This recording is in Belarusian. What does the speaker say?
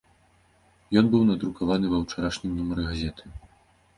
Ён быў надрукаваны ва ўчарашнім нумары газеты.